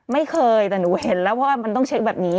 ไม่เคยแต่หนูเห็นแล้วเพราะว่ามันต้องเช็คแบบนี้